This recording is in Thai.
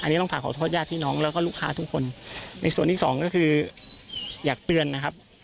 อันนี้ต้องฝากขอโทษญาติพี่น้องแล้วก็ลูกค้าทุกคนในส่วนที่สองก็คืออยากเตือนนะครับ